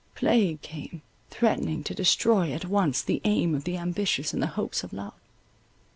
Plague came, threatening to destroy at once the aim of the ambitious and the hopes of love.